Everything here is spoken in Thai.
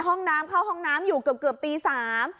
ห้องน้ำเข้าห้องน้ำอยู่เกือบเกือบตีสาม